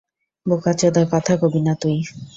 বোকাচোদা কথা কবি না তুই।